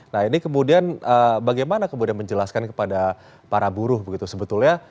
nah ini kemudian bagaimana kemudian menjelaskan kepada para buruh begitu sebetulnya